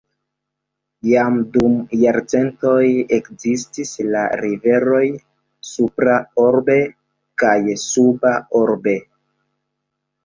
Jam dum jarcentoj ekzistis la riveroj "Supra Orbe" kaj "Suba Orbe".